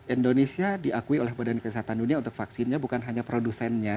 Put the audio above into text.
indonesia diakui oleh badan kesehatan dunia untuk vaksinnya bukan hanya produsennya